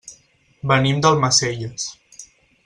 Venim d'Almacelles.